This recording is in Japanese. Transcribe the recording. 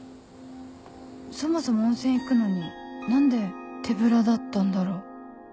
そもそも温泉行くのに何で手ぶらだったんだろう？